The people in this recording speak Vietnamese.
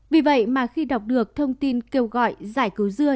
vì vậy mà khi đọc được thông tin kêu gọi giải cứu dưa